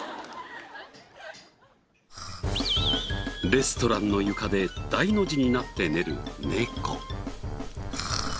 レストランの床で大の字になって寝る猫。